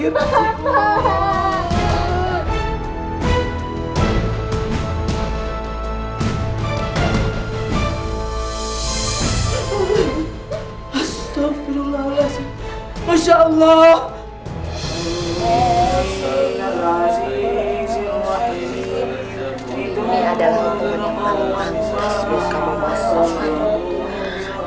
ini adalah hukuman yang paling mahasiswa kamu mas mawad